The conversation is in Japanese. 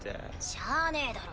しゃあねぇだろ。